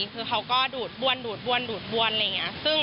คือเขาก็ดูดบวนอะไรอย่างนี้